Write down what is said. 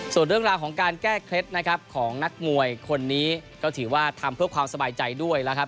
ส่วนเรื่องราวของการแก้เคล็ดนะครับของนักมวยคนนี้ก็ถือว่าทำเพื่อความสบายใจด้วยนะครับ